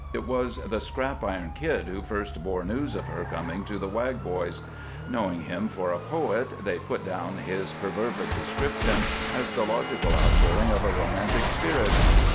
It was the Scrap Iron Kid who first bore news of her coming to the Wag boys. Knowing him for a poet, they put down his perfervid description as the logical outpouring of a romantic spirit.